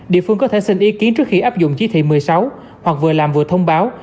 địa phương có thể xin ý kiến trước khi áp dụng chỉ thị một mươi sáu hoặc vừa làm vừa thông báo